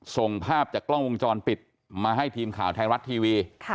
ส่งภาพจากกล้องวงจรปิดมาให้ทีมข่าวไทยรัฐทีวี